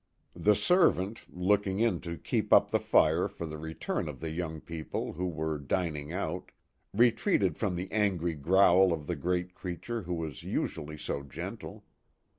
The servant, looking in to keep up the fire for the return of the young people who were dining out, retreated from the angry growl of the great creature who was usually so gentle.